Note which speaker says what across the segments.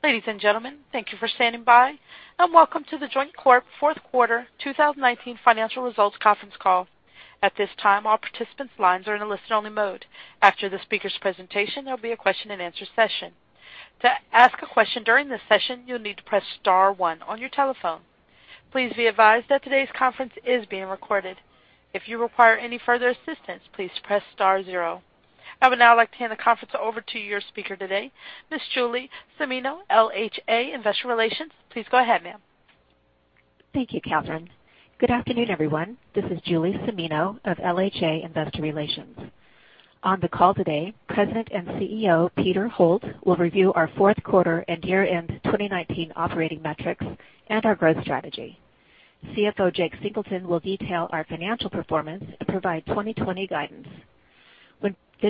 Speaker 1: Ladies and gentlemen, thank you for standing by, and welcome to The Joint Corp. fourth quarter 2019 financial results conference call. At this time, all participants' lines are in a listen-only mode. After the speakers' presentation, there'll be a question-and-answer session. To ask a question during this session, you'll need to press star one on your telephone. Please be advised that today's conference is being recorded. If you require any further assistance, please press star zero. I would now like to hand the conference over to your speaker today, Ms. Julie Cimino, LHA Investor Relations. Please go ahead, ma'am.
Speaker 2: Thank you, Catherine. Good afternoon, everyone. This is Julie Cimino of LHA Investor Relations. On the call today, President and CEO, Peter Holt, will review our fourth quarter and year-end 2019 operating metrics and our growth strategy. CFO Jake Singleton will detail our financial performance and provide 2020 guidance.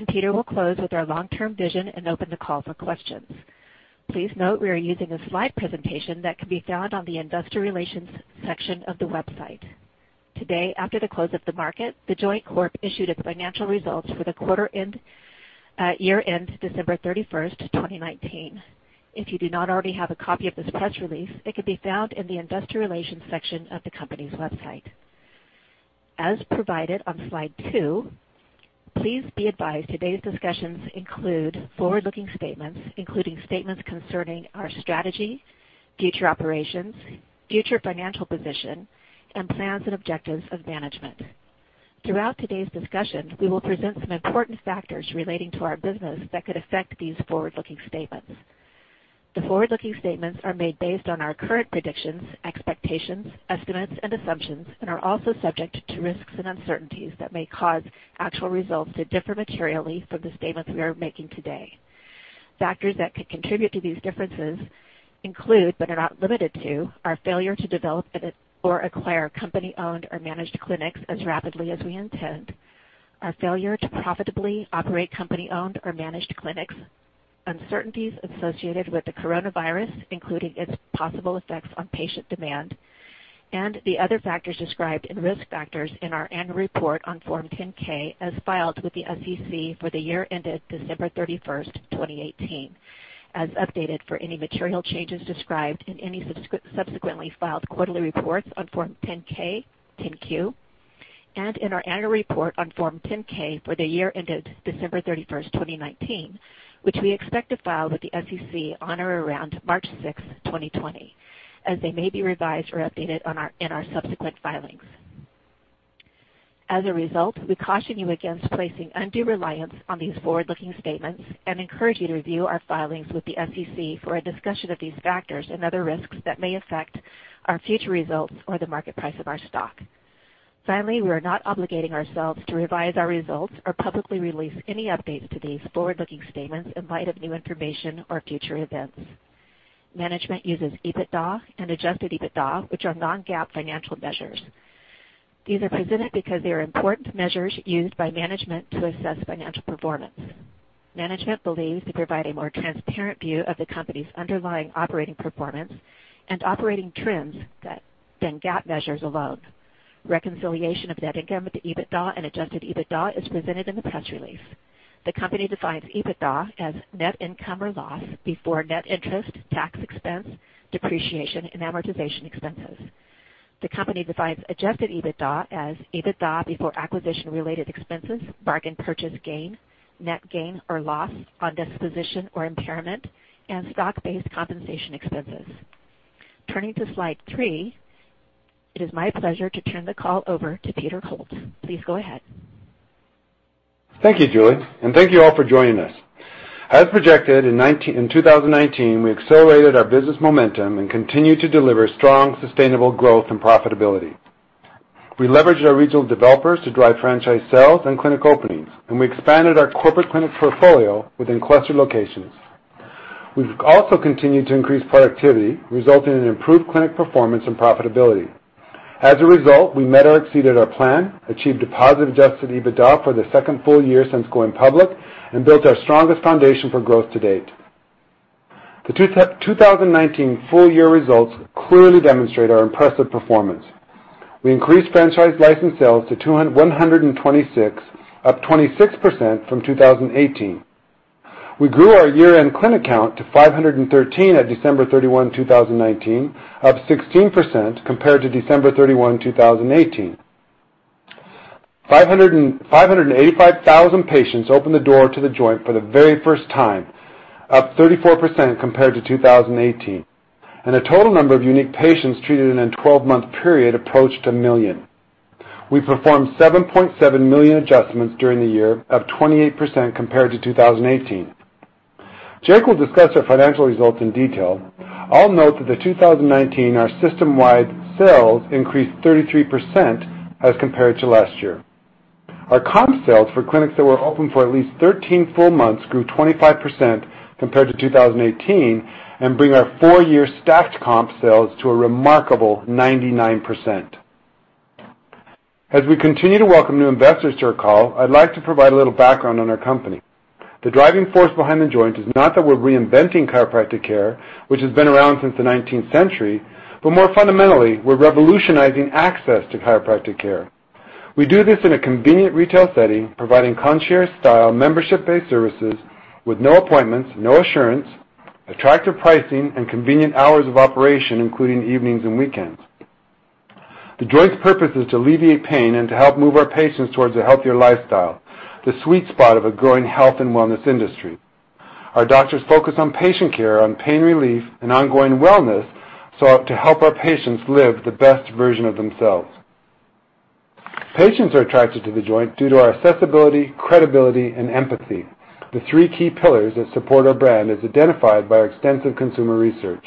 Speaker 2: Peter will close with our long-term vision and open the call for questions. Please note we are using a slide presentation that can be found on the investor relations section of the website. Today, after the close of the market, The Joint Corp. issued its financial results for the quarter end, year end, December 31st, 2019. If you do not already have a copy of this press release, it can be found in the investor relations section of the company's website. As provided on slide two, please be advised today's discussions include forward-looking statements, including statements concerning our strategy, future operations, future financial position, and plans and objectives of management. Throughout today's discussion, we will present some important factors relating to our business that could affect these forward-looking statements. The forward-looking statements are made based on our current predictions, expectations, estimates, and assumptions and are also subject to risks and uncertainties that may cause actual results to differ materially from the statements we are making today. Factors that could contribute to these differences include, but are not limited to, our failure to develop or acquire company-owned or managed clinics as rapidly as we intend, our failure to profitably operate company-owned or managed clinics, uncertainties associated with the coronavirus, including its possible effects on patient demand, and the other factors described in risk factors in our annual report on Form 10-K as filed with the SEC for the year ended December 31st, 2018, as updated for any material changes described in any subsequently filed quarterly reports on Form 10-K, 10-Q, and in our annual report on Form 10-K for the year ended December 31st, 2019, which we expect to file with the SEC on or around March 6th, 2020, as they may be revised or updated in our subsequent filings. As a result, we caution you against placing undue reliance on these forward-looking statements and encourage you to review our filings with the SEC for a discussion of these factors and other risks that may affect our future results or the market price of our stock. Finally, we are not obligating ourselves to revise our results or publicly release any updates to these forward-looking statements in light of new information or future events. Management uses EBITDA and adjusted EBITDA, which are non-GAAP financial measures. These are presented because they are important measures used by management to assess financial performance. Management believes they provide a more transparent view of the company's underlying operating performance and operating trends than GAAP measures alone. Reconciliation of net income with the EBITDA and adjusted EBITDA is presented in the press release. The company defines EBITDA as net income or loss before net interest, tax expense, depreciation, and amortization expenses. The company defines adjusted EBITDA as EBITDA before acquisition-related expenses, bargain purchase gain, net gain or loss on disposition or impairment, and stock-based compensation expenses. Turning to slide three, it is my pleasure to turn the call over to Peter Holt. Please go ahead.
Speaker 3: Thank you, Julie. Thank you all for joining us. As projected, in 2019, we accelerated our business momentum and continued to deliver strong, sustainable growth and profitability. We leveraged our regional developers to drive franchise sales and clinic openings, and we expanded our corporate clinic portfolio within cluster locations. We've also continued to increase productivity, resulting in improved clinic performance and profitability. As a result, we met or exceeded our plan, achieved a positive adjusted EBITDA for the second full year since going public, and built our strongest foundation for growth to date. The 2019 full-year results clearly demonstrate our impressive performance. We increased franchise license sales to 126, up 26% from 2018. We grew our year-end clinic count to 513 at December 31, 2019, up 16% compared to December 31, 2018. 585,000 patients opened the door to The Joint for the very first time, up 34% compared to 2018. The total number of unique patients treated in a 12-month period approached 1 million. We performed 7.7 million adjustments during the year, up 28% compared to 2018. Jake will discuss our financial results in detail. I'll note that the 2019, our system-wide sales increased 33% as compared to last year. Our comp sales for clinics that were open for at least 13 full months grew 25% compared to 2018 and bring our four-year stacked comp sales to a remarkable 99%. As we continue to welcome new investors to our call, I'd like to provide a little background on our company. The driving force behind The Joint is not that we're reinventing chiropractic care, which has been around since the 19th century, but more fundamentally, we're revolutionizing access to chiropractic care. We do this in a convenient retail setting, providing concierge-style membership-based services with no appointments, no insurance, attractive pricing, and convenient hours of operation, including evenings and weekends. The Joint's purpose is to alleviate pain and to help move our patients towards a healthier lifestyle, the sweet spot of a growing health and wellness industry. Our doctors focus on patient care, on pain relief and ongoing wellness, so to help our patients live the best version of themselves. Patients are attracted to The Joint due to our accessibility, credibility, and empathy, the three key pillars that support our brand, as identified by our extensive consumer research.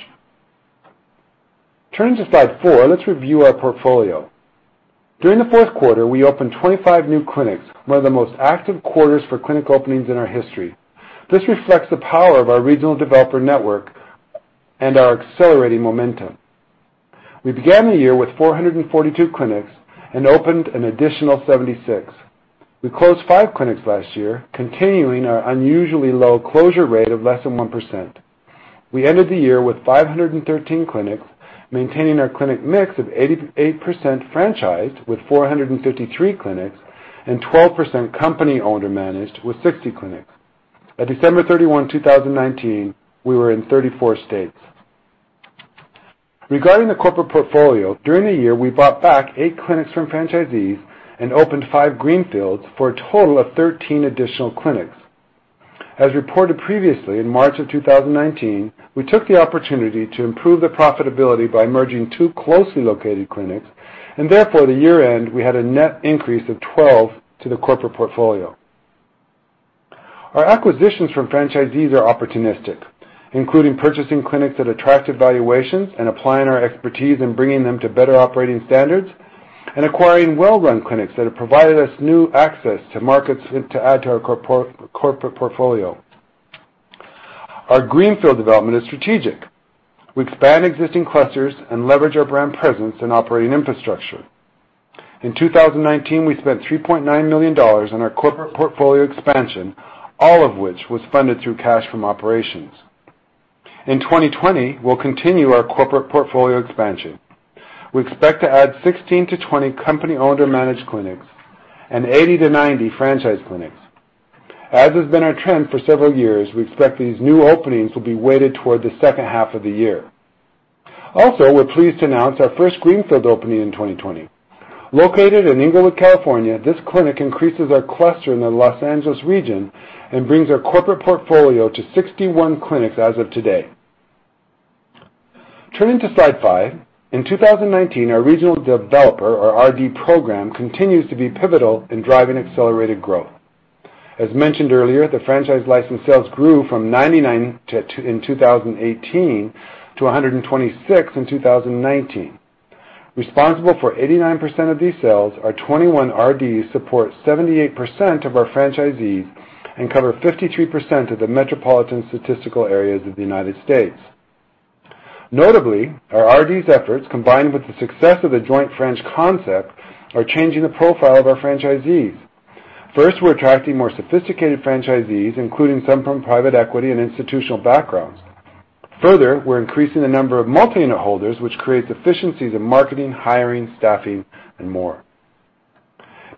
Speaker 3: Turning to slide four, let's review our portfolio. During the fourth quarter, we opened 25 new clinics, one of the most active quarters for clinic openings in our history. This reflects the power of our regional developer network and our accelerating momentum. We began the year with 442 clinics and opened an additional 76. We closed five clinics last year, continuing our unusually low closure rate of less than 1%. We ended the year with 513 clinics, maintaining our clinic mix of 88% franchised, with 453 clinics, and 12% company owned or managed with 60 clinics. By December 31, 2019, we were in 34 states. Regarding the corporate portfolio, during the year, we bought back eight clinics from franchisees and opened five greenfields for a total of 13 additional clinics. As reported previously, in March of 2019, we took the opportunity to improve the profitability by merging two closely located clinics, and therefore at the year-end, we had a net increase of 12 to the corporate portfolio. Our acquisitions from franchisees are opportunistic, including purchasing clinics at attractive valuations and applying our expertise and bringing them to better operating standards, and acquiring well-run clinics that have provided us new access to markets to add to our corporate portfolio. Our greenfield development is strategic. We expand existing clusters and leverage our brand presence and operating infrastructure. In 2019, we spent $3.9 million on our corporate portfolio expansion, all of which was funded through cash from operations. In 2020, we'll continue our corporate portfolio expansion. We expect to add 16-20 company owned or managed clinics and 80-90 franchise clinics. As has been our trend for several years, we expect these new openings will be weighted toward the second half of the year. Also, we're pleased to announce our first greenfield opening in 2020. Located in Inglewood, California, this clinic increases our cluster in the Los Angeles region and brings our corporate portfolio to 61 clinics as of today. Turning to slide five. In 2019, our regional developer, or RD program, continues to be pivotal in driving accelerated growth. As mentioned earlier, the franchise license sales grew from 99 in 2018 to 126 in 2019. Responsible for 89% of these sales, our 21 RDs support 78% of our franchisees and cover 53% of the metropolitan statistical areas of the U.S. Notably, our RD's efforts, combined with the success of The Joint franchise concept, are changing the profile of our franchisees. First, we're attracting more sophisticated franchisees, including some from private equity and institutional backgrounds. Further, we're increasing the number of multi-unit holders, which creates efficiencies in marketing, hiring, staffing, and more.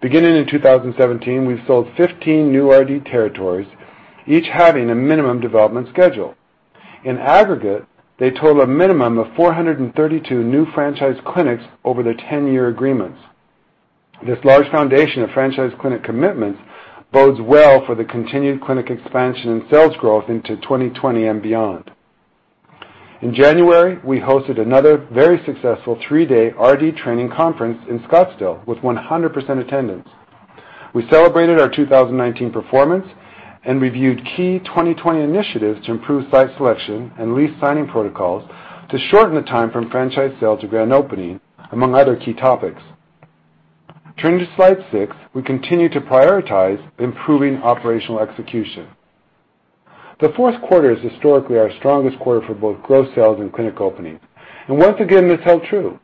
Speaker 3: Beginning in 2017, we've sold 15 new RD territories, each having a minimum development schedule. In aggregate, they total a minimum of 432 new franchise clinics over their 10-year agreements. This large foundation of franchise clinic commitments bodes well for the continued clinic expansion and sales growth into 2020 and beyond. In January, we hosted another very successful three-day RD training conference in Scottsdale with 100% attendance. We celebrated our 2019 performance and reviewed key 2020 initiatives to improve site selection and lease signing protocols to shorten the time from franchise sale to grand opening, among other key topics. Turning to slide six, we continue to prioritize improving operational execution. The fourth quarter is historically our strongest quarter for both gross sales and clinic openings. Once again, this held true.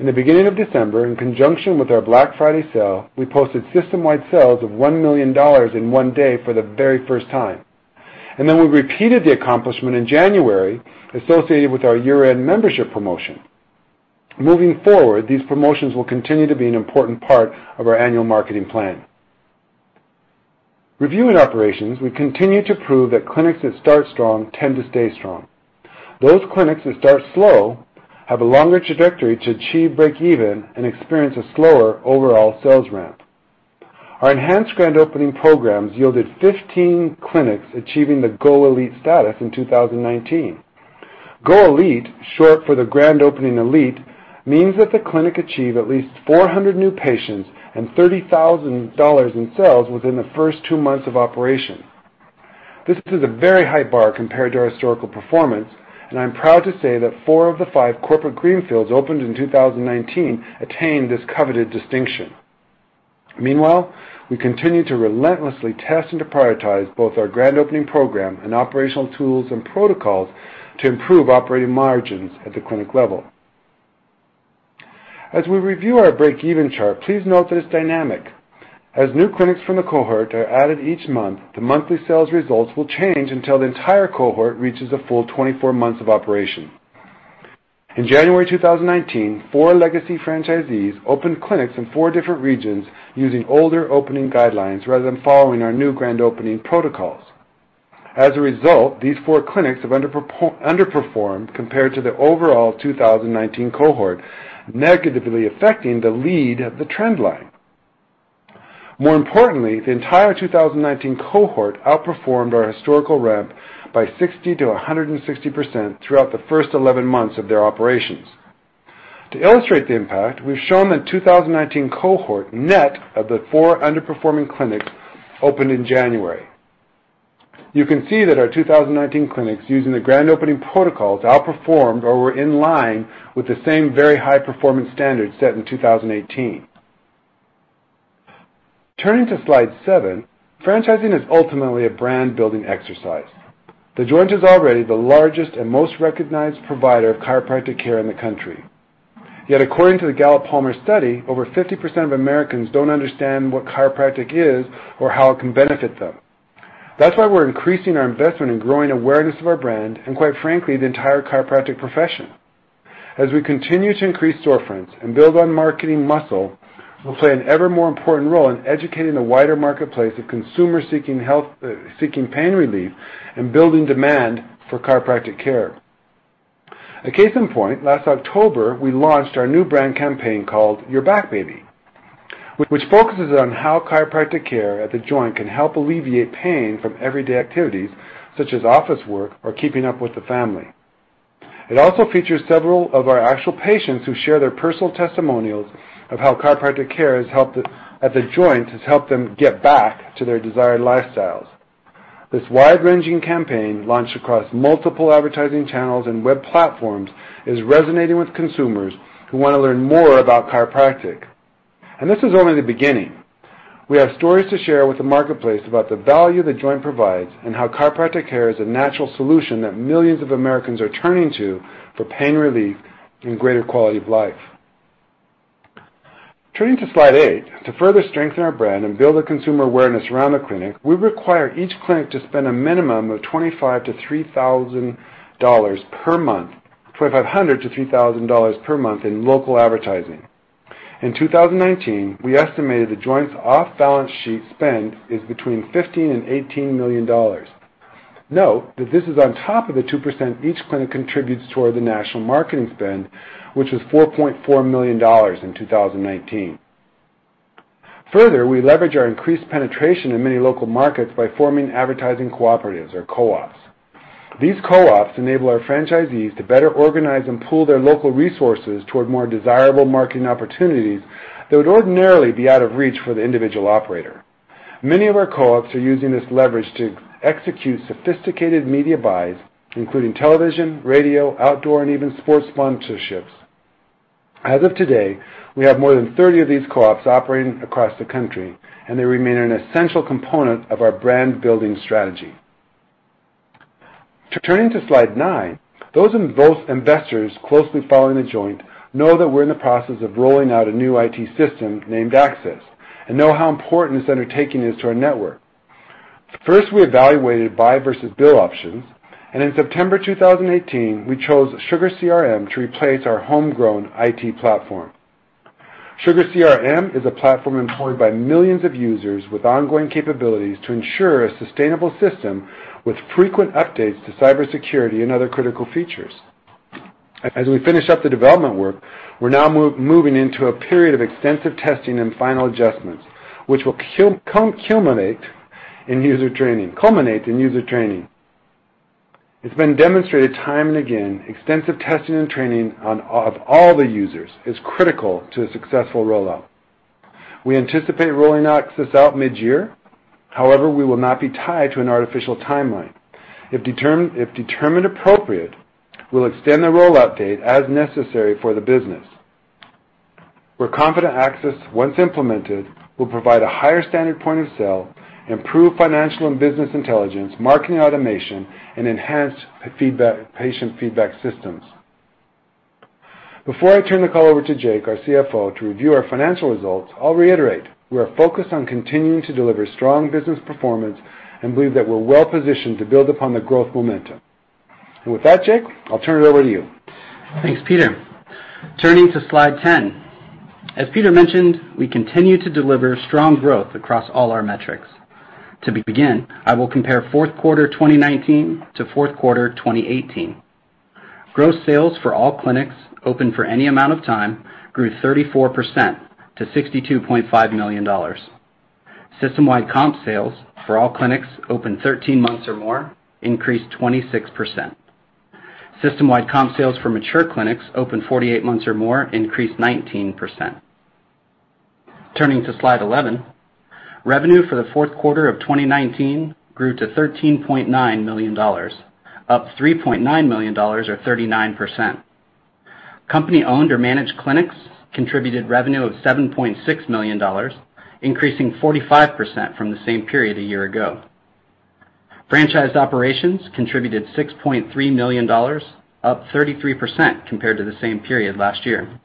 Speaker 3: In the beginning of December, in conjunction with our Black Friday sale, we posted system-wide sales of $1 million in one day for the very first time. We repeated the accomplishment in January associated with our year-end membership promotion. Moving forward, these promotions will continue to be an important part of our annual marketing plan. Reviewing operations, we continue to prove that clinics that start strong tend to stay strong. Those clinics that start slow have a longer trajectory to achieve break even and experience a slower overall sales ramp. Our enhanced grand opening programs yielded 15 clinics achieving the GO Elite status in 2019. GO Elite, short for the Grand Opening Elite, means that the clinic achieved at least 400 new patients and $30,000 in sales within the first two months of operation. This is a very high bar compared to our historical performance, and I'm proud to say that four of the five corporate greenfields opened in 2019 attained this coveted distinction. Meanwhile, we continue to relentlessly test and prioritize both our grand opening program and operational tools and protocols to improve operating margins at the clinic level. As we review our break-even chart, please note that it's dynamic. As new clinics from the cohort are added each month, the monthly sales results will change until the entire cohort reaches a full 24 months of operation. In January 2019, four legacy franchisees opened clinics in four different regions using older opening guidelines rather than following our new grand opening protocols. As a result, these four clinics have underperformed compared to the overall 2019 cohort, negatively affecting the lead of the trend line. More importantly, the entire 2019 cohort outperformed our historical ramp by 60%-160% throughout the first 11 months of their operations. To illustrate the impact, we've shown the 2019 cohort net of the four underperforming clinics opened in January. You can see that our 2019 clinics using the Grand Opening protocols outperformed or were in line with the same very high-performance standards set in 2018. Turning to slide seven, franchising is ultimately a brand-building exercise. The Joint is already the largest and most recognized provider of chiropractic care in the country. Yet according to the Gallup-Palmer study, over 50% of Americans don't understand what chiropractic is or how it can benefit them. That's why we're increasing our investment in growing awareness of our brand, and quite frankly, the entire chiropractic profession. As we continue to increase storefronts and build on marketing muscle, we'll play an ever more important role in educating the wider marketplace of consumers seeking pain relief and building demand for chiropractic care. A case in point, last October, we launched our new brand campaign called Your Back, Baby, which focuses on how chiropractic care at The Joint can help alleviate pain from everyday activities, such as office work or keeping up with the family. It also features several of our actual patients who share their personal testimonials of how chiropractic care at The Joint has helped them get back to their desired lifestyles. This wide-ranging campaign, launched across multiple advertising channels and web platforms, is resonating with consumers who want to learn more about chiropractic. This is only the beginning. We have stories to share with the marketplace about the value The Joint provides and how chiropractic care is a natural solution that millions of Americans are turning to for pain relief and greater quality of life. Turning to slide eight, to further strengthen our brand and build consumer awareness around the clinic, we require each clinic to spend a minimum of $2,500-$3,000 per month in local advertising. In 2019, we estimated The Joint's off-balance sheet spend is between $15 million and $18 million. Note that this is on top of the 2% each clinic contributes toward the national marketing spend, which was $4.4 million in 2019. We leverage our increased penetration in many local markets by forming advertising cooperatives or co-ops. These co-ops enable our franchisees to better organize and pool their local resources toward more desirable marketing opportunities that would ordinarily be out of reach for the individual operator. Many of our co-ops are using this leverage to execute sophisticated media buys, including television, radio, outdoor, and even sports sponsorships. As of today, we have more than 30 of these co-ops operating across the country, and they remain an essential component of our brand-building strategy. Turning to slide nine, those investors closely following The Joint know that we're in the process of rolling out a new IT system named Access and know how important this undertaking is to our network. First, we evaluated buy versus build options, and in September 2018, we chose SugarCRM to replace our homegrown IT platform. SugarCRM is a platform employed by millions of users with ongoing capabilities to ensure a sustainable system with frequent updates to cybersecurity and other critical features. As we finish up the development work, we're now moving into a period of extensive testing and final adjustments, which will culminate in user training. It's been demonstrated time and again, extensive testing and training of all the users is critical to a successful rollout. We anticipate rolling Access out mid-year. However, we will not be tied to an artificial timeline. If determined appropriate, we'll extend the rollout date as necessary for the business. We're confident Access, once implemented, will provide a higher standard point of sale, improve financial and business intelligence, marketing automation, and enhance patient feedback systems. Before I turn the call over to Jake, our CFO, to review our financial results, I'll reiterate, we are focused on continuing to deliver strong business performance and believe that we're well-positioned to build upon the growth momentum. With that, Jake, I'll turn it over to you.
Speaker 4: Thanks, Peter. Turning to slide 10. As Peter mentioned, we continue to deliver strong growth across all our metrics. To begin, I will compare fourth quarter 2019 to fourth quarter 2018. Gross sales for all clinics open for any amount of time grew 34% to $62.5 million. System-wide comp sales for all clinics open 13 months or more increased 26%. System-wide comp sales for mature clinics open 48 months or more increased 19%. Turning to slide 11, revenue for the fourth quarter of 2019 grew to $13.9 million, up $3.9 million or 39%. Company-owned or managed clinics contributed revenue of $7.6 million, increasing 45% from the same period a year ago. Franchised operations contributed $6.3 million, up 33% compared to the same period last year.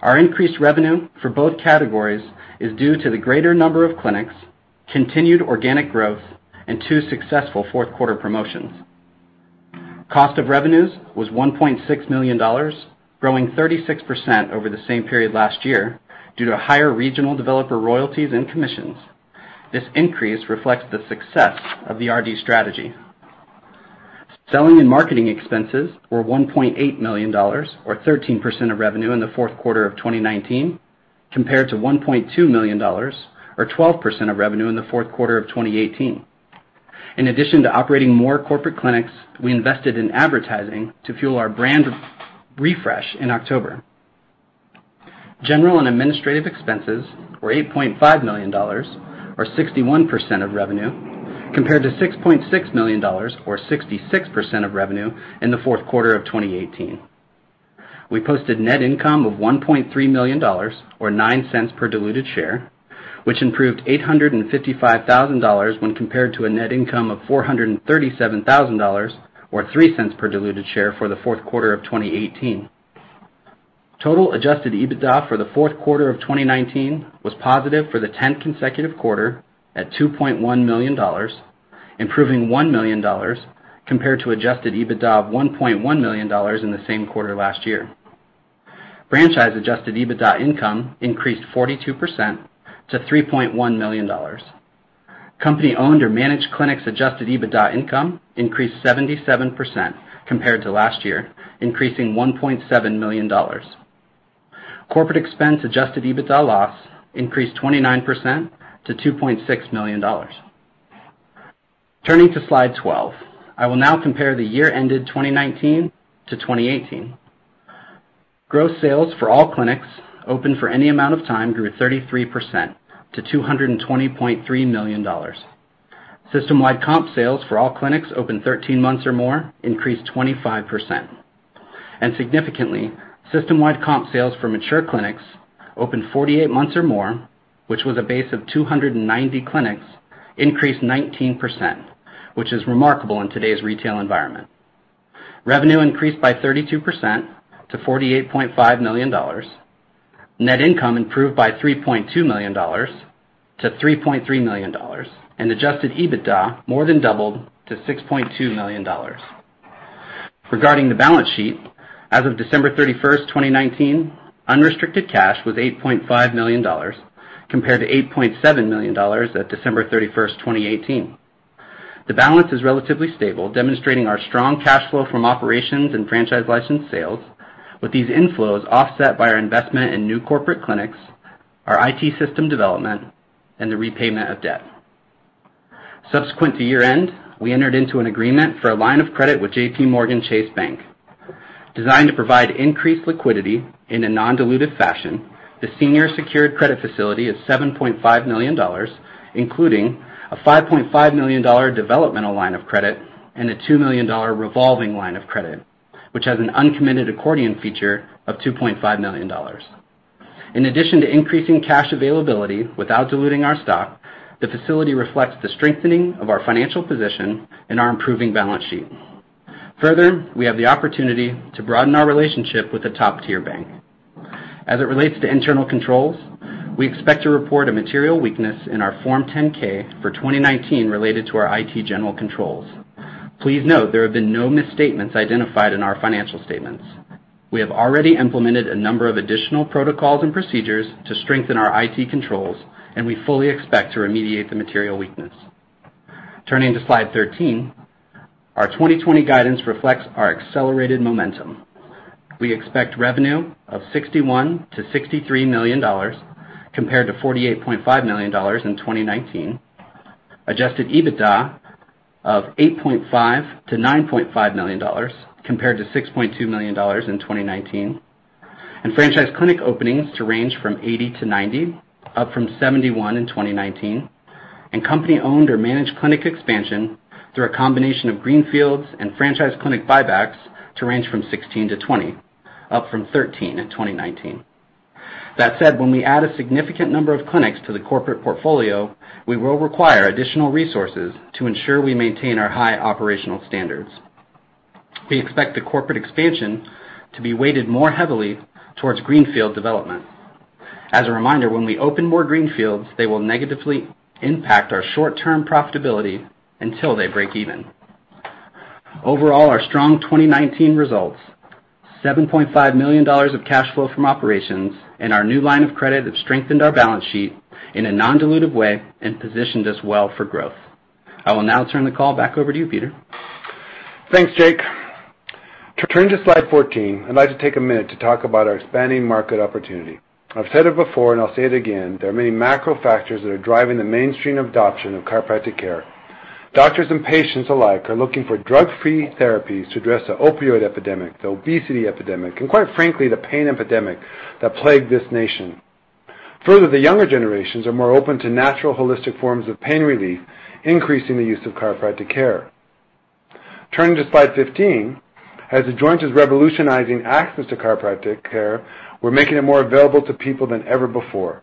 Speaker 4: Our increased revenue for both categories is due to the greater number of clinics, continued organic growth, and two successful fourth quarter promotions. Cost of revenues was $1.6 million, growing 36% over the same period last year due to higher regional developer royalties and commissions. This increase reflects the success of the RD strategy. Selling and marketing expenses were $1.8 million or 13% of revenue in the fourth quarter of 2019, compared to $1.2 million or 12% of revenue in the fourth quarter of 2018. In addition to operating more corporate clinics, we invested in advertising to fuel our brand refresh in October. General and administrative expenses were $8.5 million or 61% of revenue, compared to $6.6 million or 66% of revenue in the fourth quarter of 2018. We posted net income of $1.3 million or $0.09 per diluted share, which improved $855,000 when compared to a net income of $437,000 or $0.03 per diluted share for the fourth quarter of 2018. Total adjusted EBITDA for the fourth quarter of 2019 was positive for the 10th consecutive quarter at $2.1 million, improving $1 million compared to adjusted EBITDA of $1.1 million in the same quarter last year. Franchise adjusted EBITDA income increased 42% to $3.1 million. Company owned or managed clinics adjusted EBITDA income increased 77% compared to last year, increasing $1.7 million. Corporate expense adjusted EBITDA loss increased 29% to $2.6 million. Turning to Slide 12, I will now compare the year ended 2019-2018. Gross sales for all clinics open for any amount of time grew 33% to $220.3 million. System-wide comp sales for all clinics open 13 months or more increased 25%. Significantly, system-wide comp sales for mature clinics open 48 months or more, which was a base of 290 clinics, increased 19%, which is remarkable in today's retail environment. Revenue increased by 32% to $48.5 million. Net income improved by $3.2 million-$3.3 million, and adjusted EBITDA more than doubled to $6.2 million. Regarding the balance sheet, as of December 31st, 2019, unrestricted cash was $8.5 million compared to $8.7 million at December 31st, 2018. The balance is relatively stable, demonstrating our strong cash flow from operations and franchise license sales with these inflows offset by our investment in new corporate clinics, our IT system development, and the repayment of debt. Subsequent to year-end, we entered into an agreement for a line of credit with JPMorgan Chase Bank. Designed to provide increased liquidity in a non-dilutive fashion, the senior secured credit facility is $7.5 million, including a $5.5 million developmental line of credit and a $2 million revolving line of credit, which has an uncommitted accordion feature of $2.5 million. In addition to increasing cash availability without diluting our stock, the facility reflects the strengthening of our financial position and our improving balance sheet. Further, we have the opportunity to broaden our relationship with a top-tier bank. As it relates to internal controls, we expect to report a material weakness in our Form 10-K for 2019 related to our IT general controls. Please note, there have been no misstatements identified in our financial statements. We have already implemented a number of additional protocols and procedures to strengthen our IT controls, and we fully expect to remediate the material weakness. Turning to Slide 13, our 2020 guidance reflects our accelerated momentum. We expect revenue of $61 million-$63 million, compared to $48.5 million in 2019. Adjusted EBITDA of $8.5 million-$9.5 million, compared to $6.2 million in 2019. Franchise clinic openings to range from 80-90, up from 71 in 2019. Company owned or managed clinic expansion through a combination of greenfields and franchise clinic buybacks to range from 16-20, up from 13 in 2019. That said, when we add a significant number of clinics to the corporate portfolio, we will require additional resources to ensure we maintain our high operational standards. We expect the corporate expansion to be weighted more heavily towards greenfield development. As a reminder, when we open more greenfields, they will negatively impact our short-term profitability until they break even. Overall, our strong 2019 results, $7.5 million of cash flow from operations, and our new line of credit have strengthened our balance sheet in a non-dilutive way and positioned us well for growth. I will now turn the call back over to you, Peter.
Speaker 3: Thanks, Jake. Turn to Slide 14. I'd like to take a minute to talk about our expanding market opportunity. I've said it before and I'll say it again, there are many macro factors that are driving the mainstream adoption of chiropractic care. Doctors and patients alike are looking for drug-free therapies to address the opioid epidemic, the obesity epidemic, and quite frankly, the pain epidemic that plague this nation. Further, the younger generations are more open to natural holistic forms of pain relief, increasing the use of chiropractic care. Turning to Slide 15, as The Joint is revolutionizing access to chiropractic care, we're making it more available to people than ever before.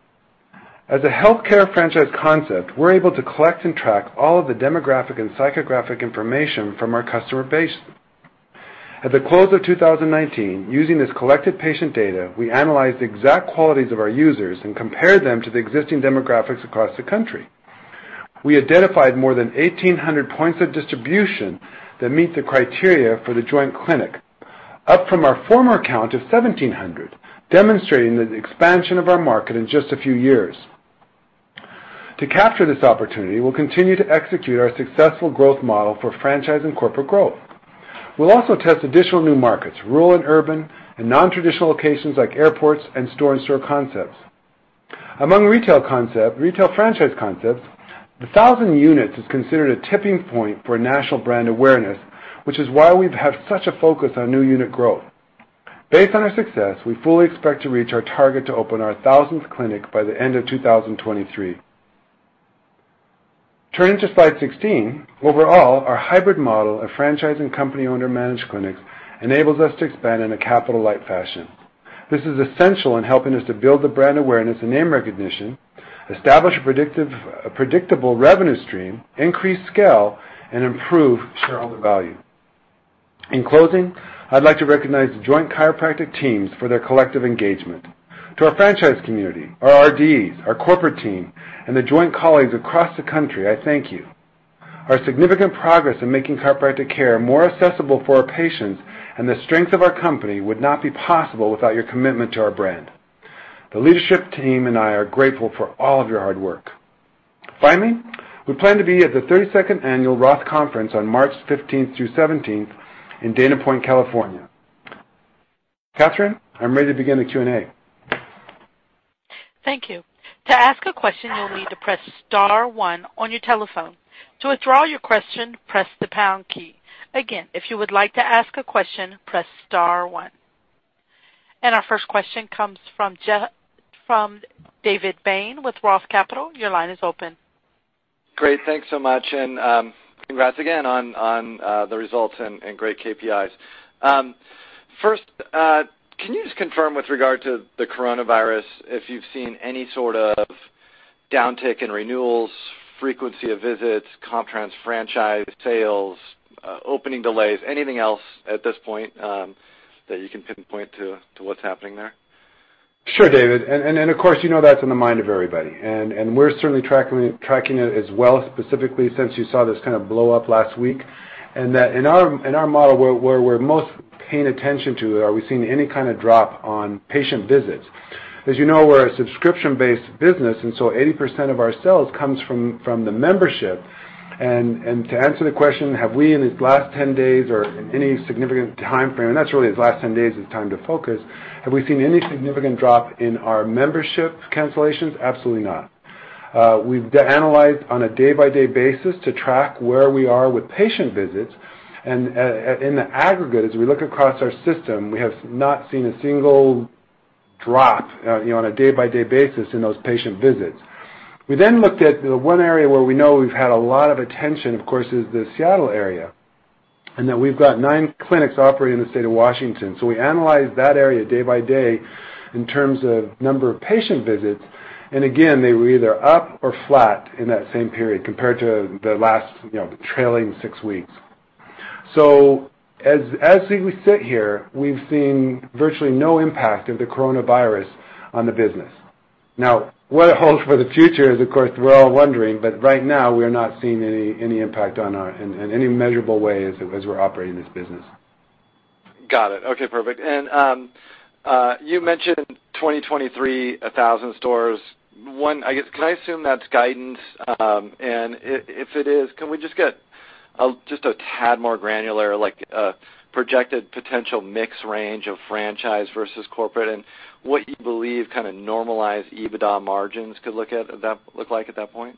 Speaker 3: As a healthcare franchise concept, we're able to collect and track all of the demographic and psychographic information from our customer base. At the close of 2019, using this collected patient data, we analyzed the exact qualities of our users and compared them to the existing demographics across the country. We identified more than 1,800 points of distribution that meet the criteria for The Joint clinic, up from our former count of 1,700, demonstrating the expansion of our market in just a few years. To capture this opportunity, we'll continue to execute our successful growth model for franchise and corporate growth. We'll also test additional new markets, rural and urban, and non-traditional locations like airports and store-in-store concepts. Among retail franchise concepts, the 1,000 units is considered a tipping point for national brand awareness, which is why we've had such a focus on new unit growth. Based on our success, we fully expect to reach our target to open our 1,000th clinic by the end of 2023. Turning to slide 16. Overall, our hybrid model of franchise and company-owned or managed clinics enables us to expand in a capital-light fashion. This is essential in helping us to build the brand awareness and name recognition, establish a predictable revenue stream, increase scale, and improve shareholder value. In closing, I'd like to recognize The Joint Chiropractic teams for their collective engagement. To our franchise community, our RDs, our corporate team, and The Joint colleagues across the country, I thank you. Our significant progress in making chiropractic care more accessible for our patients and the strength of our company would not be possible without your commitment to our brand. The leadership team and I are grateful for all of your hard work. Finally, we plan to be at the 32nd Annual ROTH Conference on March 15th through 17th in Dana Point, California. Catherine, I'm ready to begin the Q&A.
Speaker 1: Thank you. To ask a question, you'll need to press star one on your telephone. To withdraw your question, press the pound key. Again, if you would like to ask a question, press star one. Our first question comes from David Bain with ROTH Capital. Your line is open.
Speaker 5: Great. Thanks so much, and congrats again on the results and great KPIs. First, can you just confirm with regard to the coronavirus, if you've seen any sort of downtick in renewals, frequency of visits, comp trans franchise sales, opening delays, anything else at this point that you can pinpoint to what's happening there?
Speaker 3: Sure, David, of course, you know that's in the mind of everybody, and we're certainly tracking it as well, specifically since you saw this kind of blow up last week. That in our model, where we're most paying attention to, are we seeing any kind of drop on patient visits? As you know, we're a subscription-based business, 80% of our sales comes from the membership. To answer the question, have we, in these last 10 days or in any significant timeframe, and that's really these last 10 days, it's time to focus. Have we seen any significant drop in our membership cancellations? Absolutely not. We've analyzed on a day-by-day basis to track where we are with patient visits. In the aggregate, as we look across our system, we have not seen a single drop on a day-by-day basis in those patient visits. We looked at the one area where we know we've had a lot of attention, of course, is the Seattle area, and that we've got nine clinics operating in the state of Washington. We analyzed that area day by day in terms of number of patient visits. Again, they were either up or flat in that same period compared to the last trailing six weeks. As we sit here, we've seen virtually no impact of the coronavirus on the business. What it holds for the future is, of course, we're all wondering, but right now, we are not seeing any impact in any measurable way as we're operating this business.
Speaker 5: Got it. Okay, perfect. You mentioned 2023, 1,000 stores. One, I guess, can I assume that's guidance? If it is, can we just get a tad more granular, like a projected potential mix range of franchise versus corporate and what you believe kind of normalized EBITDA margins could look like at that point?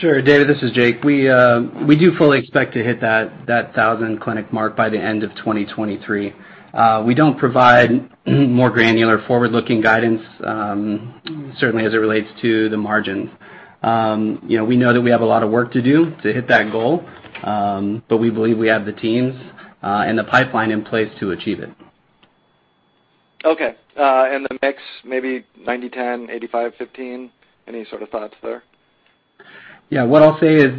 Speaker 4: Sure, David, this is Jake. We do fully expect to hit that 1,000 clinic mark by the end of 2023. We don't provide more granular forward-looking guidance, certainly as it relates to the margin. We know that we have a lot of work to do to hit that goal. We believe we have the teams and the pipeline in place to achieve it.
Speaker 5: Okay. The mix, maybe 90/10, 85/15? Any sort of thoughts there?
Speaker 4: Yeah. What I'll say is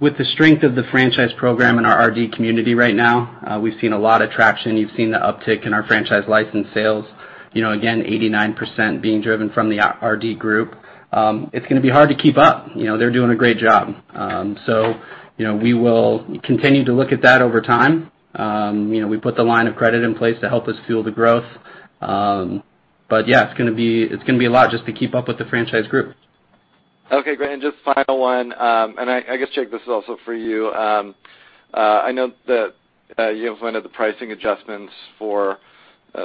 Speaker 4: with the strength of the franchise program and our RD community right now, we've seen a lot of traction. You've seen the uptick in our franchise license sales. Again, 89% being driven from the RD group. It's going to be hard to keep up. They're doing a great job. We will continue to look at that over time. We put the line of credit in place to help us fuel the growth. Yeah, it's going to be a lot just to keep up with the franchise group.
Speaker 5: Okay, great. Just final one, and I guess, Jake, this is also for you. I know that you implemented the pricing adjustments for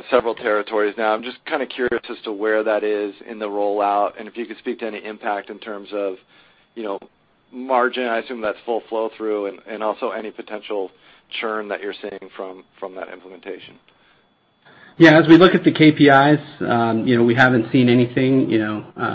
Speaker 5: several territories now. I'm just kind of curious as to where that is in the rollout and if you could speak to any impact in terms of margin. I assume that's full flow-through, and also any potential churn that you're seeing from that implementation.
Speaker 4: As we look at the KPIs, we haven't seen anything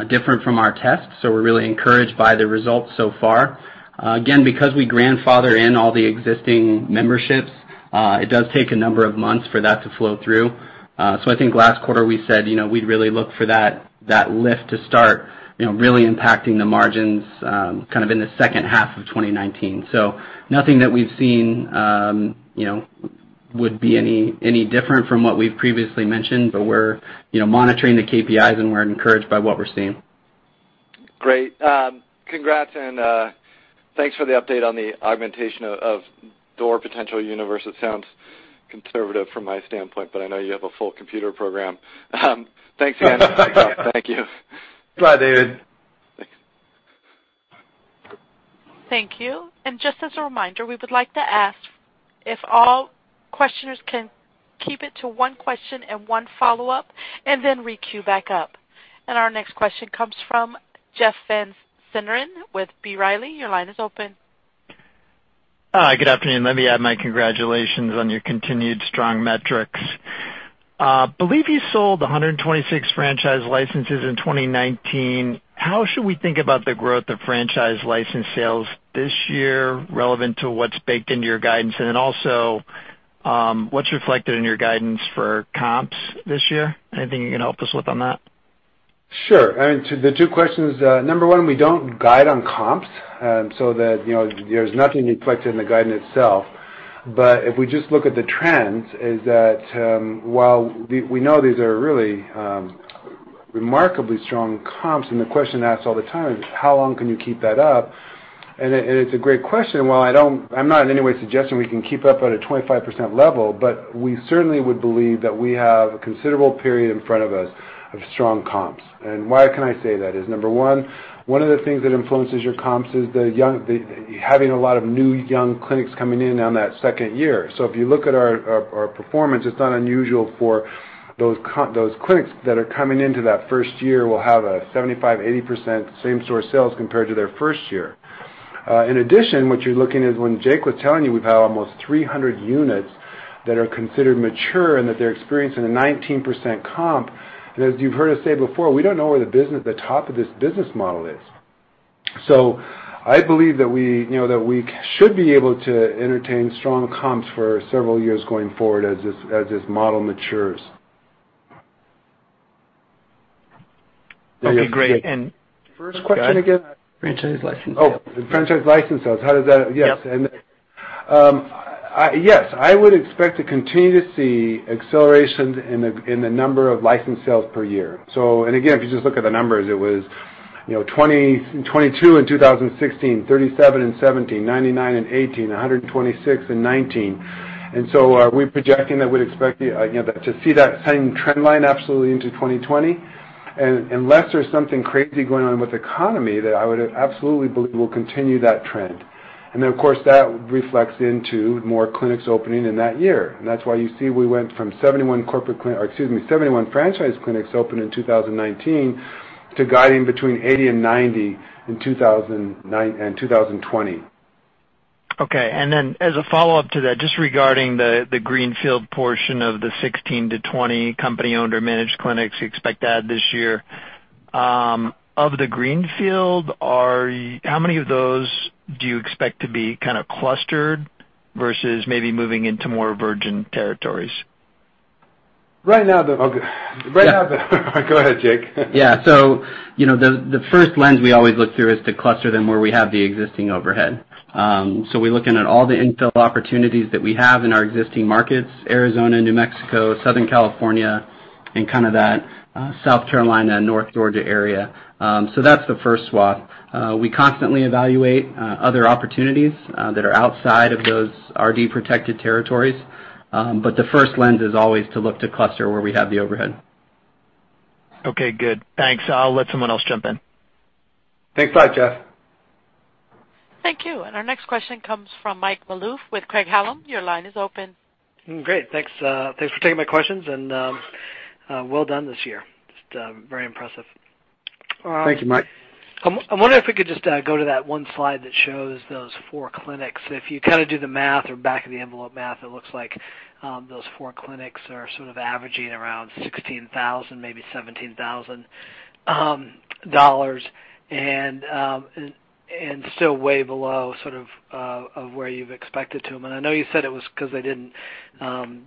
Speaker 4: different from our tests, so we're really encouraged by the results so far. Again, because we grandfather in all the existing memberships, it does take a number of months for that to flow through. I think last quarter we said we'd really look for that lift to start really impacting the margins kind of in the second half of 2019. Nothing that we've seen would be any different from what we've previously mentioned, but we're monitoring the KPIs, and we're encouraged by what we're seeing.
Speaker 5: Great. Congrats, and thanks for the update on the augmentation of our potential universe. It sounds conservative from my standpoint, but I know you have a full computer program. Thanks again. Thank you.
Speaker 3: Bye, David.
Speaker 5: Thanks.
Speaker 1: Thank you. Just as a reminder, we would like to ask if all questioners can keep it to one question and one follow-up, and then re-queue back up. Our next question comes from Jeff Van Sinderen with B. Riley. Your line is open.
Speaker 6: Hi. Good afternoon. Let me add my congratulations on your continued strong metrics. Believe you sold 126 franchise licenses in 2019. How should we think about the growth of franchise license sales this year relevant to what's baked into your guidance? What's reflected in your guidance for comps this year? Anything you can help us with on that?
Speaker 3: Sure. To the two questions, number one, we don't guide on comps, there's nothing reflected in the guidance itself. If we just look at the trends, is that while we know these are really remarkably strong comps, the question asked all the time is, how long can you keep that up? It's a great question. While I'm not in any way suggesting we can keep up at a 25% level, we certainly would believe that we have a considerable period in front of us of strong comps. Why can I say that? Is number one of the things that influences your comps is having a lot of new young clinics coming in on that second year. If you look at our performance, it's not unusual for those clinics that are coming into that first year will have a 75%, 80% same store sales compared to their first year. In addition, what you're looking is when Jake was telling you we've had almost 300 units that are considered mature and that they're experiencing a 19% comp, and as you've heard us say before, we don't know where the top of this business model is. I believe that we should be able to entertain strong comps for several years going forward as this model matures.
Speaker 6: Okay, great.
Speaker 3: First question again?
Speaker 4: Franchise license sales.
Speaker 3: Oh, franchise license sales.
Speaker 6: Yep.
Speaker 3: Yes. I would expect to continue to see accelerations in the number of license sales per year. And again, if you just look at the numbers, it was 22 in 2016, 37 in 2017, 99 in 2018, 126 in 2019. Are we projecting that we'd expect to see that same trend line absolutely into 2020? Unless there's something crazy going on with the economy, that I would absolutely believe we'll continue that trend. Of course, that reflects into more clinics opening in that year. That's why you see we went from 71 corporate clinic, or excuse me, 71 franchise clinics open in 2019 to guiding between 80 and 90 in 2020.
Speaker 6: Okay. As a follow-up to that, just regarding the greenfield portion of the 16-20 company-owned or managed clinics you expect to add this year. Of the greenfield, how many of those do you expect to be kind of clustered versus maybe moving into more virgin territories?
Speaker 3: Right now, Go ahead, Jake.
Speaker 4: Yeah. The first lens we always look through is to cluster them where we have the existing overhead. We're looking at all the intel opportunities that we have in our existing markets, Arizona, New Mexico, Southern California, and kind of that South Carolina, North Georgia area. That's the first swath. We constantly evaluate other opportunities that are outside of those RD-protected territories. The first lens is always to look to cluster where we have the overhead.
Speaker 6: Okay, good. Thanks. I'll let someone else jump in.
Speaker 3: Thanks a lot, Jeff.
Speaker 1: Thank you. Our next question comes from Mike Malouf with Craig-Hallum. Your line is open.
Speaker 7: Great. Thanks for taking my questions, and well done this year. Just very impressive.
Speaker 3: Thank you, Mike.
Speaker 7: I wonder if we could just go to that one slide that shows those four clinics. If you kind of do the math or back of the envelope math, it looks like those four clinics are sort of averaging around $16,000, maybe $17,000, and still way below sort of where you've expected to them. I know you said it was because they didn't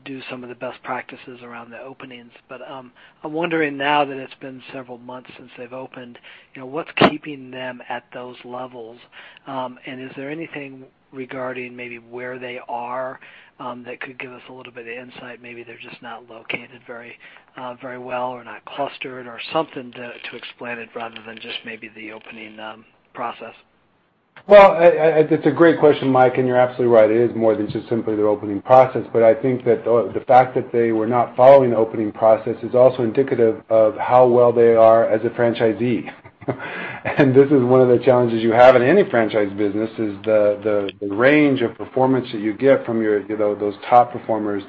Speaker 7: do some of the best practices around the openings. I'm wondering now that it's been several months since they've opened, what's keeping them at those levels? Is there anything regarding maybe where they are that could give us a little bit of insight? Maybe they're just not located very well or not clustered or something to explain it rather than just maybe the opening process.
Speaker 3: Well, it's a great question, Mike. You're absolutely right. It is more than just simply their opening process. I think that the fact that they were not following the opening process is also indicative of how well they are as a franchisee. This is one of the challenges you have in any franchise business, is the range of performance that you get from those top performers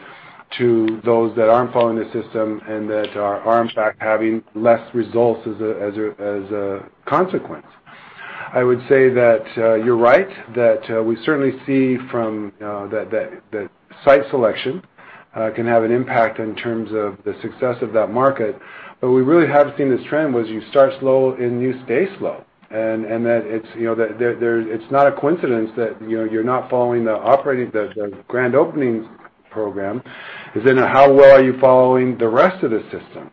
Speaker 3: to those that aren't following the system and that are in fact having less results as a consequence. I would say that you're right, that we certainly see from the site selection can have an impact in terms of the success of that market. We really have seen this trend, was you start slow and you stay slow. That it's not a coincidence that you're not following the Grand Openings program, is then how well are you following the rest of the system?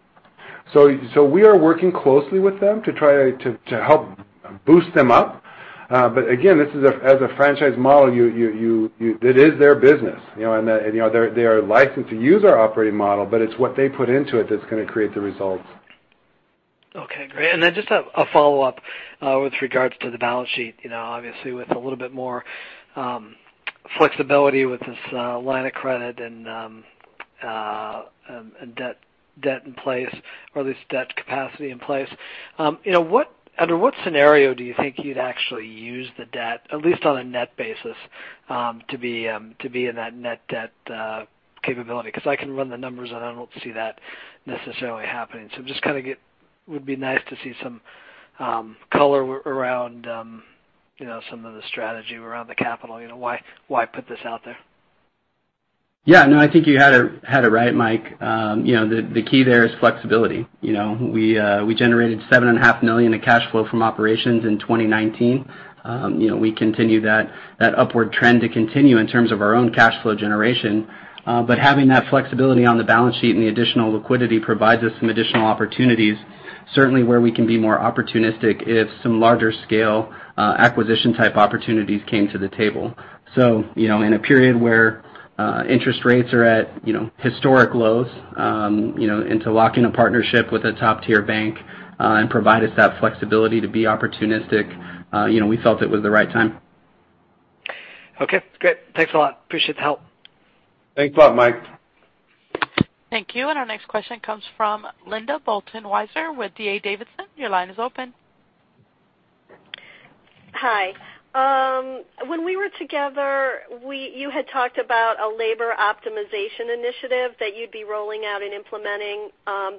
Speaker 3: We are working closely with them to try to help boost them up. Again, as a franchise model, it is their business, and they are licensed to use our operating model, but it's what they put into it that's going to create the results.
Speaker 7: Okay, great. Just a follow-up, with regards to the balance sheet. Obviously, with a little bit more flexibility with this line of credit and debt in place or at least debt capacity in place. Under what scenario do you think you'd actually use the debt, at least on a net basis, to be in that net debt capability? I can run the numbers, and I don't see that necessarily happening. Just would be nice to see some color around some of the strategy around the capital. Why put this out there?
Speaker 4: Yeah, no, I think you had it right, Mike. The key there is flexibility. We generated $7.5 million in cash flow from operations in 2019. We continue that upward trend to continue in terms of our own cash flow generation. Having that flexibility on the balance sheet and the additional liquidity provides us some additional opportunities, certainly where we can be more opportunistic if some larger scale acquisition type opportunities came to the table. In a period where interest rates are at historic lows, and to lock in a partnership with a top-tier bank, and provide us that flexibility to be opportunistic, we felt it was the right time.
Speaker 7: Okay, great. Thanks a lot. Appreciate the help.
Speaker 3: Thanks a lot, Mike.
Speaker 1: Thank you. Our next question comes from Linda Bolton Weiser with D.A. Davidson. Your line is open.
Speaker 8: Hi. When we were together, you had talked about a labor optimization initiative that you'd be rolling out and implementing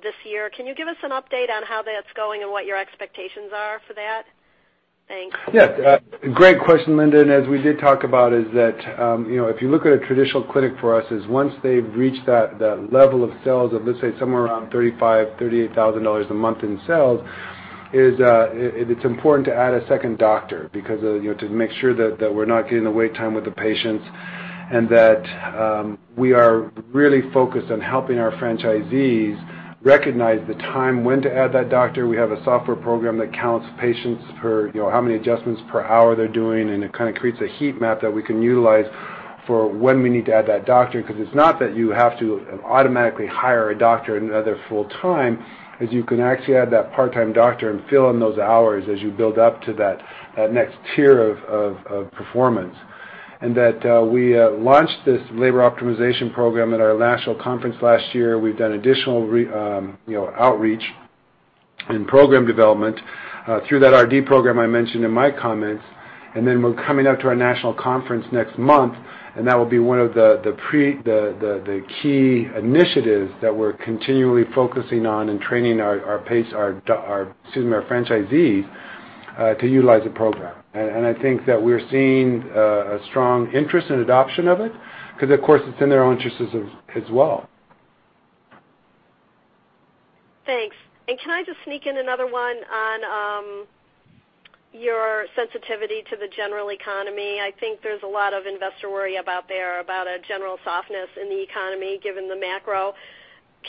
Speaker 8: this year. Can you give us an update on how that's going and what your expectations are for that? Thanks.
Speaker 3: Yeah. Great question, Linda. As we did talk about is that, if you look at a traditional clinic for us, is once they've reached that level of sales of, let's say, somewhere around $35,000, $38,000 a month in sales, it's important to add a second doctor to make sure that we're not getting the wait time with the patients and that we are really focused on helping our franchisees recognize the time when to add that doctor. We have a software program that counts patients per how many adjustments per hour they're doing, and it kind of creates a heat map that we can utilize for when we need to add that doctor, because it's not that you have to automatically hire a doctor, another full time, as you can actually add that part-time doctor and fill in those hours as you build up to that next tier of performance. That we launched this Labor Optimization Program at our national conference last year. We've done additional outreach and program development, through that RD program I mentioned in my comments. Then we're coming up to our national conference next month, and that will be one of the key initiatives that we're continually focusing on and training our franchisees, to utilize the program. I think that we're seeing a strong interest and adoption of it, because, of course, it's in their own interests as well.
Speaker 8: Thanks. Can I just sneak in another one on your sensitivity to the general economy? I think there's a lot of investor worry about a general softness in the economy, given the macro.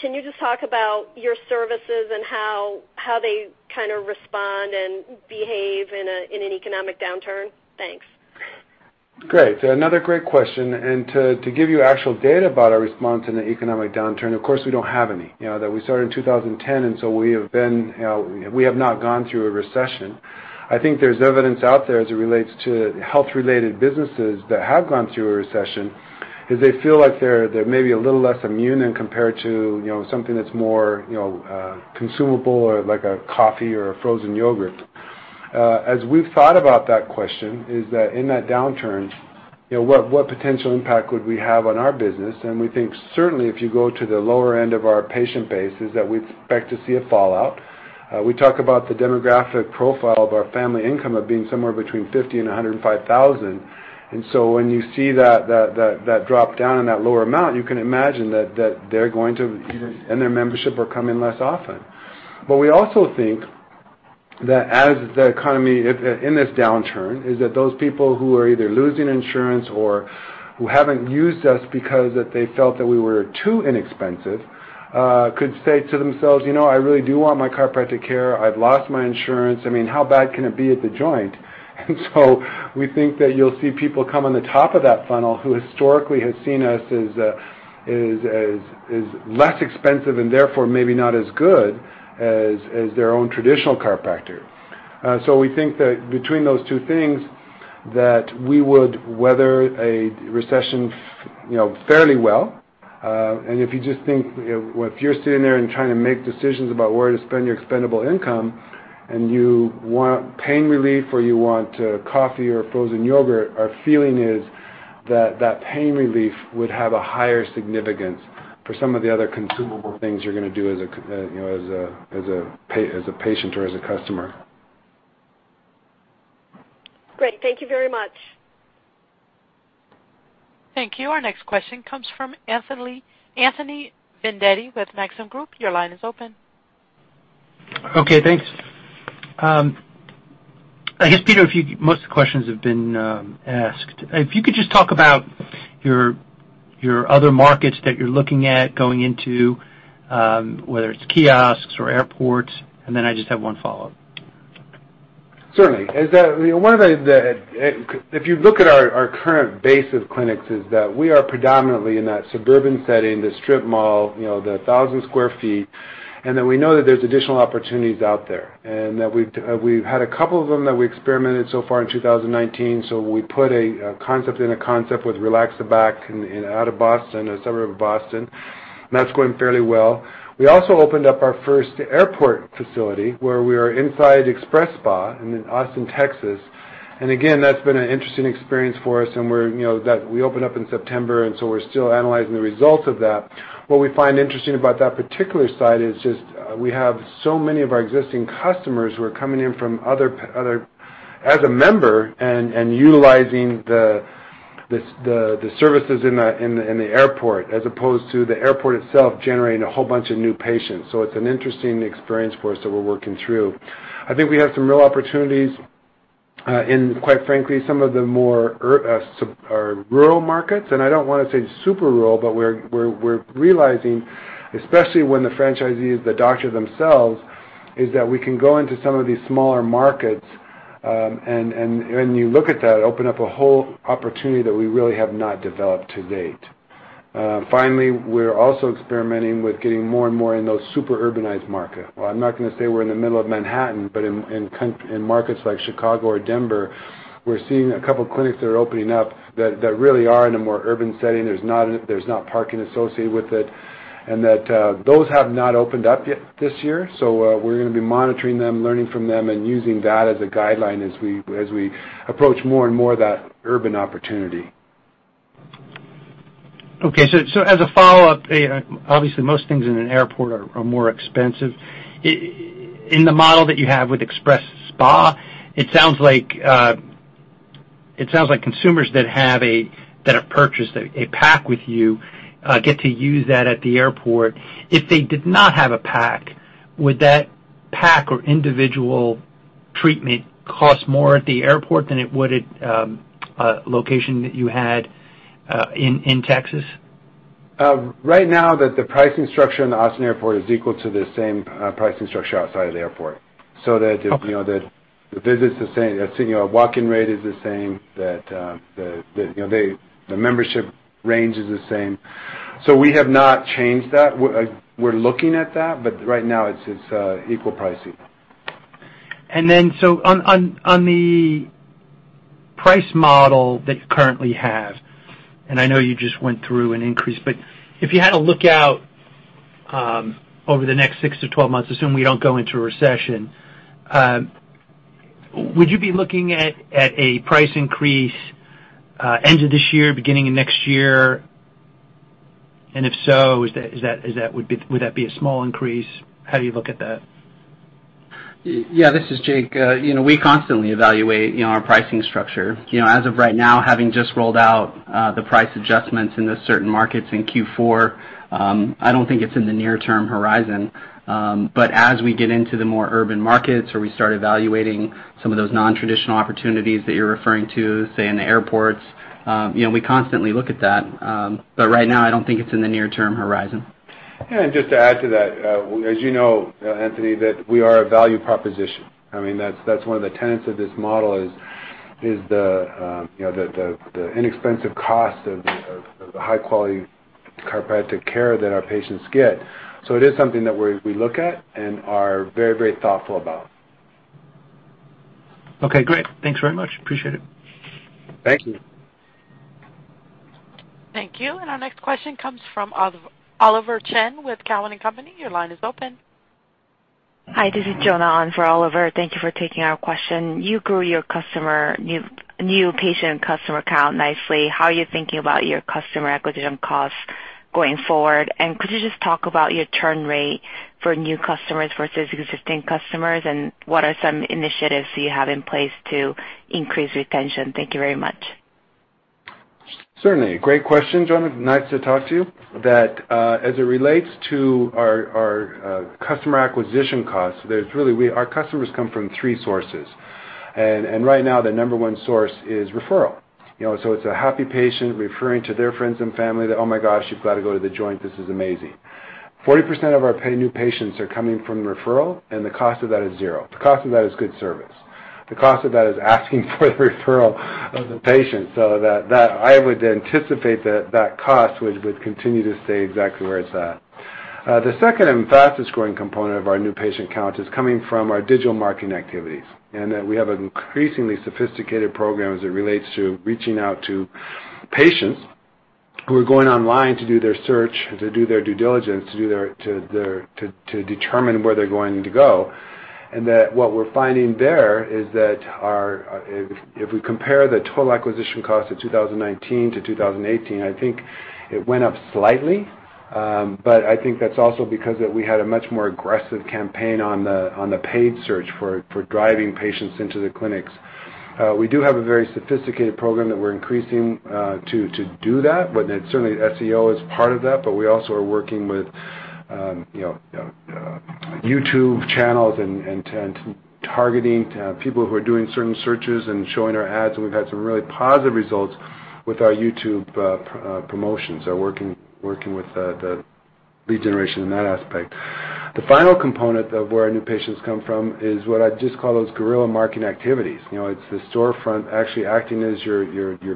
Speaker 8: Can you just talk about your services and how they kind of respond and behave in an economic downturn? Thanks.
Speaker 3: Great. Another great question, and to give you actual data about our response in the economic downturn, of course, we don't have any. That we started in 2010, and so we have not gone through a recession. I think there's evidence out there as it relates to health-related businesses that have gone through a recession, is they feel like they're maybe a little less immune than compared to something that's more consumable or like a coffee or a frozen yogurt. As we've thought about that question, is that in that downturn, what potential impact would we have on our business? We think certainly if you go to the lower end of our patient base is that we expect to see a fallout. We talk about the demographic profile of our family income of being somewhere between $50 and $105,000. When you see that drop-down in that lower amount, you can imagine that they're going to end their membership or come in less often. We also think that as the economy in this downturn, is that those people who are either losing insurance or who haven't used us because they felt that we were too inexpensive, could say to themselves, "You know, I really do want my chiropractic care. I've lost my insurance. I mean, how bad can it be at The Joint?" We think that you'll see people come on the top of that funnel who historically have seen us as less expensive and therefore maybe not as good as their own traditional chiropractor. We think that between those two things, that we would weather a recession fairly well. If you just think, if you're sitting there and trying to make decisions about where to spend your expendable income and you want pain relief or you want coffee or frozen yogurt, our feeling is that pain relief would have a higher significance for some of the other consumable things you're going to do as a patient or as a customer.
Speaker 8: Great. Thank you very much.
Speaker 1: Thank you. Our next question comes from Anthony Vendetti with Maxim Group. Your line is open.
Speaker 9: Okay, thanks. I guess, Peter, most of the questions have been asked. If you could just talk about your other markets that you're looking at going into, whether it's kiosks or airports, and then I just have one follow-up.
Speaker 3: Certainly. If you look at our current base of clinics, is that we are predominantly in that suburban setting, the strip mall, the 1,000 square feet. We know that there's additional opportunities out there and that we've had a couple of them that we experimented so far in 2019. We put a concept in a concept with Relax The Back out of Boston, a suburb of Boston, and that's going fairly well. We also opened up our first airport facility where we are inside XpresSpa in Austin, Texas. Again, that's been an interesting experience for us, and we opened up in September, and so we're still analyzing the results of that. What we find interesting about that particular site is just we have so many of our existing customers who are coming in as a member and utilizing the services in the airport as opposed to the airport itself generating a whole bunch of new patients. It's an interesting experience for us that we're working through. I think we have some real opportunities in, quite frankly, some of the more rural markets, and I don't want to say super rural, but we're realizing, especially when the franchisees, the doctors themselves, is that we can go into some of these smaller markets, and when you look at that, open up a whole opportunity that we really have not developed to date. Finally, we're also experimenting with getting more and more in those super urbanized markets. Well, I'm not going to say we're in the middle of Manhattan, but in markets like Chicago or Denver, we're seeing a couple clinics that are opening up that really are in a more urban setting. There's not parking associated with it, and that those have not opened up yet this year. We're going to be monitoring them, learning from them, and using that as a guideline as we approach more and more of that urban opportunity.
Speaker 9: As a follow-up, obviously most things in an airport are more expensive. In the model that you have with XpresSpa, it sounds like consumers that have purchased a pack with you get to use that at the airport. If they did not have a pack, would that pack or individual treatment cost more at the airport than it would at a location that you had in Texas?
Speaker 3: Right now, the pricing structure in the Austin Airport is equal to the same pricing structure outside of the airport.
Speaker 9: Okay.
Speaker 3: The visit's the same, the walk-in rate is the same, the membership range is the same. We have not changed that. We're looking at that, but right now it's equal pricing.
Speaker 9: On the price model that you currently have, and I know you just went through an increase, but if you had to look out over the next six to 12 months, assume we don't go into a recession, would you be looking at a price increase end of this year, beginning of next year? If so, would that be a small increase? How do you look at that?
Speaker 4: Yeah. This is Jake. We constantly evaluate our pricing structure. As of right now, having just rolled out the price adjustments in the certain markets in Q4, I don't think it's in the near-term horizon. As we get into the more urban markets or we start evaluating some of those non-traditional opportunities that you're referring to, say in the airports, we constantly look at that. Right now, I don't think it's in the near-term horizon.
Speaker 3: Yeah, just to add to that, as you know, Anthony, that we are a value proposition. That's one of the tenets of this model is the inexpensive cost of the high-quality chiropractic care that our patients get. It is something that we look at and are very thoughtful about.
Speaker 9: Okay, great. Thanks very much. Appreciate it.
Speaker 3: Thank you.
Speaker 1: Thank you. Our next question comes from Oliver Chen with Cowen and Company. Your line is open.
Speaker 10: Hi, this is Jonna on for Oliver. Thank you for taking our question. You grew your new patient customer count nicely. How are you thinking about your customer acquisition cost going forward? Could you just talk about your churn rate for new customers versus existing customers, and what are some initiatives you have in place to increase retention? Thank you very much.
Speaker 3: Certainly. Great question, Jonna. Nice to talk to you. As it relates to our customer acquisition costs, our customers come from three sources. Right now, the number one source is referral. It's a happy patient referring to their friends and family that, "Oh my gosh, you've got to go to The Joint. This is amazing." 40% of our new patients are coming from referral, and the cost of that is zero. The cost of that is good service. The cost of that is asking for the referral of the patient. I would anticipate that cost would continue to stay exactly where it's at. The second and fastest-growing component of our new patient count is coming from our digital marketing activities, that we have an increasingly sophisticated program as it relates to reaching out to patients, who are going online to do their search, to do their due diligence, to determine where they're going to go. What we're finding there is that if we compare the total acquisition cost of 2019-2018, I think it went up slightly. I think that's also because that we had a much more aggressive campaign on the paid search for driving patients into the clinics. We do have a very sophisticated program that we're increasing to do that. Certainly, SEO is part of that, but we also are working with YouTube channels and targeting people who are doing certain searches and showing our ads, and we've had some really positive results with our YouTube promotions, so working with the lead generation in that aspect. The final component of where our new patients come from is what I just call those guerrilla marketing activities. It's the storefront actually acting as your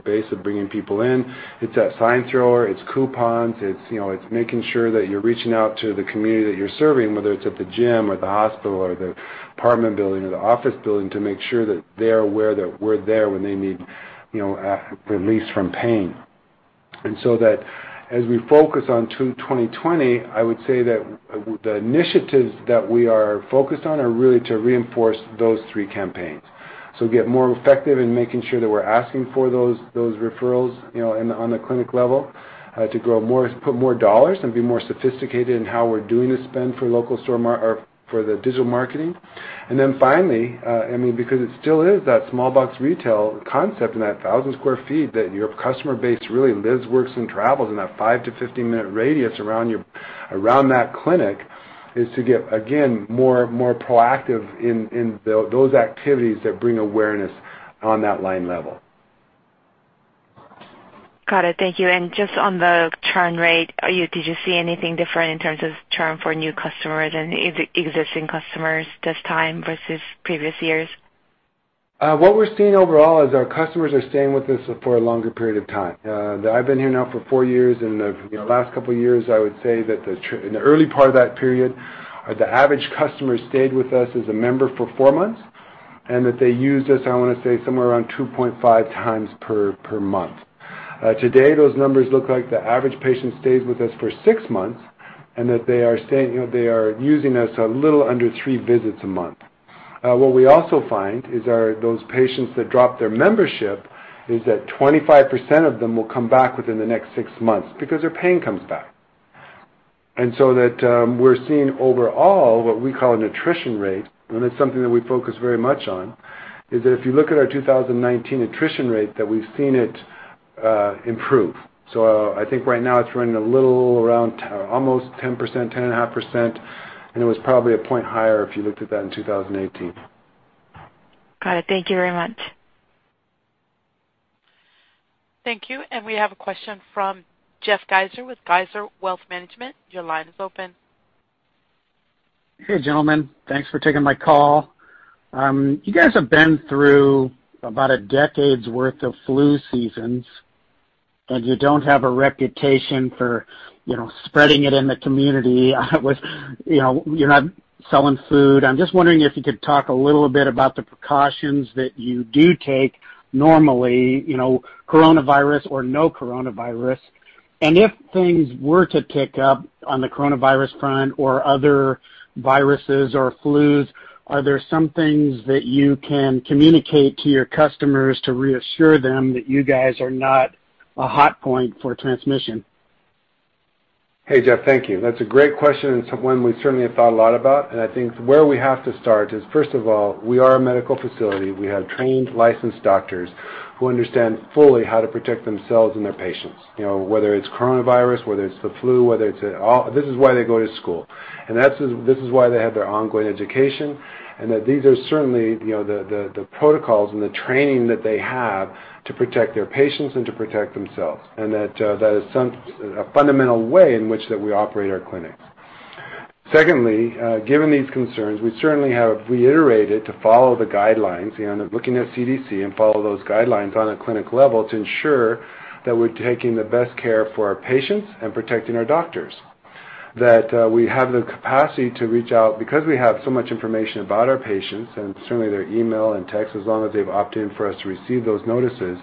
Speaker 3: base of bringing people in. It's that sign thrower, it's coupons. It's making sure that you're reaching out to the community that you're serving, whether it's at the gym or the hospital or the apartment building or the office building, to make sure that they're aware that we're there when they need release from pain. That as we focus on 2020, I would say that the initiatives that we are focused on are really to reinforce those three campaigns. Get more effective in making sure that we're asking for those referrals on the clinic level to put more dollars and be more sophisticated in how we're doing the spend for the digital marketing. Finally, because it still is that small box retail concept and that 1,000 sq ft that your customer base really lives, works, and travels in that 5 to 15-minute radius around that clinic is to get, again, more proactive in those activities that bring awareness on that line level.
Speaker 10: Got it. Thank you. Just on the churn rate, did you see anything different in terms of churn for new customers and existing customers this time versus previous years?
Speaker 3: What we're seeing overall is our customers are staying with us for a longer period of time. I've been here now for four years, and the last couple of years, I would say that in the early part of that period, the average customer stayed with us as a member for four months, and that they used us, I want to say, somewhere around 2.5 times per month. Today, those numbers look like the average patient stays with us for six months, and that they are using us a little under three visits a month. What we also find is those patients that drop their membership, is that 25% of them will come back within the next six months because their pain comes back. That we're seeing overall what we call an attrition rate, and it's something that we focus very much on, is that if you look at our 2019 attrition rate, that we've seen it improve. I think right now it's running a little around almost 10%, 10.5%, and it was probably a point higher if you looked at that in 2018.
Speaker 10: Got it. Thank you very much.
Speaker 1: Thank you. We have a question from Jeff Geiser with Geiser Wealth Management. Your line is open.
Speaker 11: Hey, gentlemen. Thanks for taking my call. You guys have been through about a decade's worth of flu seasons, and you don't have a reputation for spreading it in the community. You're not selling food. I'm just wondering if you could talk a little bit about the precautions that you do take normally, coronavirus or no coronavirus. If things were to pick up on the coronavirus front or other viruses or flus, are there some things that you can communicate to your customers to reassure them that you guys are not a hot point for transmission?
Speaker 3: Hey, Jeff. Thank you. That's a great question and one we certainly have thought a lot about. I think where we have to start is, first of all, we are a medical facility. We have trained, licensed doctors who understand fully how to protect themselves and their patients. Whether it's coronavirus, whether it's the flu. This is why they go to school, and this is why they have their ongoing education, and that these are certainly the protocols and the training that they have to protect their patients and to protect themselves. That is a fundamental way in which that we operate our clinics. Secondly, given these concerns, we certainly have reiterated to follow the guidelines, looking at CDC, and follow those guidelines on a clinic level to ensure that we're taking the best care for our patients and protecting our doctors. That we have the capacity to reach out because we have so much information about our patients, and certainly their email and text, as long as they've opted in for us to receive those notices,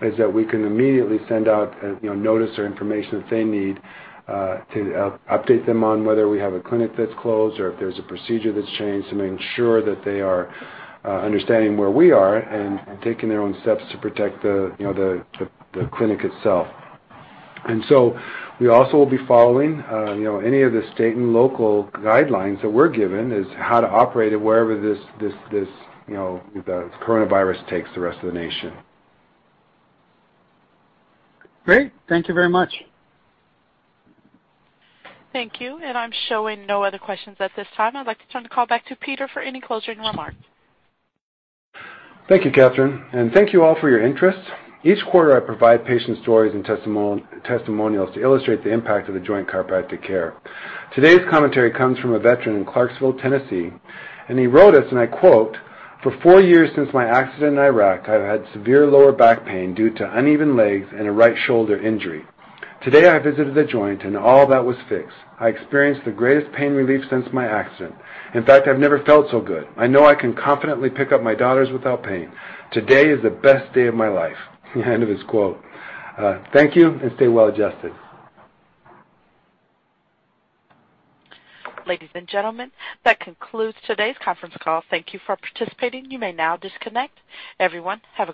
Speaker 3: is that we can immediately send out notice or information that they need to update them on whether we have a clinic that's closed or if there's a procedure that's changed, and ensure that they are understanding where we are and taking their own steps to protect the clinic itself. We also will be following any of the state and local guidelines that we're given is how to operate it wherever this coronavirus takes the rest of the nation.
Speaker 11: Great. Thank you very much.
Speaker 1: Thank you. I'm showing no other questions at this time. I'd like to turn the call back to Peter for any closing remarks.
Speaker 3: Thank you, Catherine. Thank you all for your interest. Each quarter, I provide patient stories and testimonials to illustrate the impact of The Joint Chiropractic care. Today's commentary comes from a veteran in Clarksville, Tennessee, and he wrote us, and I quote, "For four years since my accident in Iraq, I've had severe lower back pain due to uneven legs and a right shoulder injury. Today, I visited The Joint, and all that was fixed. I experienced the greatest pain relief since my accident. In fact, I've never felt so good. I know I can confidently pick up my daughters without pain. Today is the best day of my life." End of his quote. Thank you, and stay well adjusted.
Speaker 1: Ladies and gentlemen, that concludes today's conference call. Thank you for participating. You may now disconnect. Everyone, have a great day.